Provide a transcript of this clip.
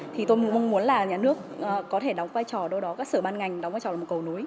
thì tôi mong muốn là nhà nước có thể đóng vai trò đâu đó các sở ban ngành đóng vai trò là một cầu nối